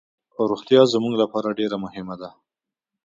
روغتیا زموږ لپاره ډیر مهمه ده.